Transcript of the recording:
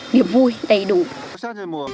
điểm vui đầy đủ